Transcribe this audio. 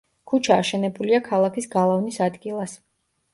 ქუჩა აშენებულია ქალაქის გალავნის ადგილას.